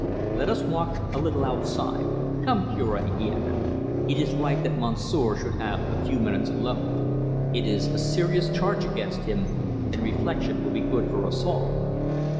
"Let us walk a little outside. Come, Cure" he added. "It is right that Monsieur should have a few minutes alone. It is a serious charge against him, and reflection will be good for us all."